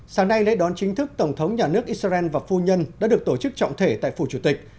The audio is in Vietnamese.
sáng nay lễ đón chính thức tổng thống nhà nước israel và phu nhân đã được tổ chức trọng thể tại phủ chủ tịch